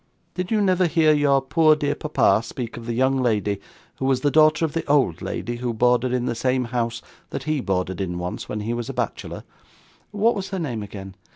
Did you never hear your poor dear papa speak of the young lady who was the daughter of the old lady who boarded in the same house that he boarded in once, when he was a bachelor what was her name again?